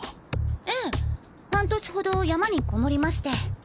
ええ半年ほど山にこもりまして。